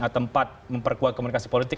tempat memperkuat komunikasi politik